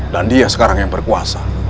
dan dia sekarang yang berkuasa